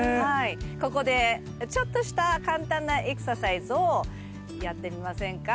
ここでちょっとした簡単なエクササイズをやってみませんか？